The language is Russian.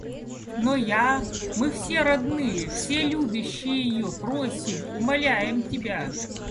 Но я, мы все родные, все любящие ее просим, умоляем тебя.